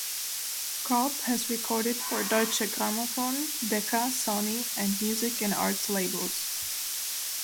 Cobb has recorded for Deutsche Grammophon, Decca, Sony, and Music and Arts labels.